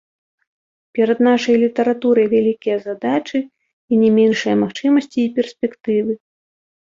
Перад нашай літаратурай вялікія задачы і не меншыя магчымасці і перспектывы.